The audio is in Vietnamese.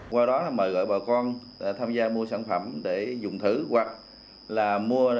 qua đó là mời gọi bà con tham gia mua sản phẩm để dùng thử hoặc là mua